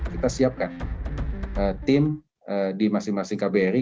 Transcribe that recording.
kita siapkan tim di masing masing kbri